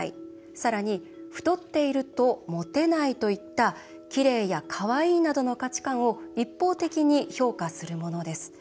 さらに、太っているとモテないといったきれいやかわいいなどの価値観を一方的に評価するものです。